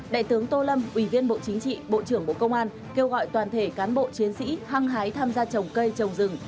đại tướng tô lâm ủy viên bộ chính trị bộ trưởng bộ công an kêu gọi toàn thể cán bộ chiến sĩ hăng hái tham gia trồng cây trồng rừng